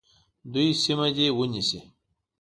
دوی سیمه دي ونیسي.